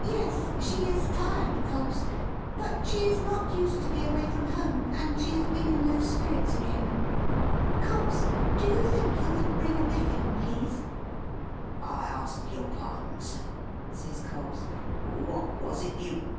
"Yes, she is tired, Cobbs; but she is not used to be away from home, and she has been in low spirits again. Cobbs, do you think you could bring a biffin, please?" "I ask your pardon, sir," says Cobbs. "What was it you